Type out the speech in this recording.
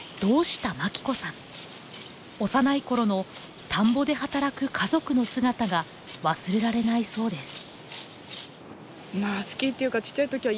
幼い頃の田んぼで働く家族の姿が忘れられないそうです。